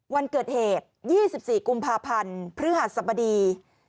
วันเกิดเหตุ๒๔กุมภาพันธ์พฤหัสบดี